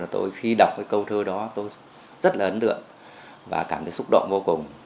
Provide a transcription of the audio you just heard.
tôi khi đọc cái câu thơ đó tôi rất là ấn tượng và cảm thấy xúc động vô cùng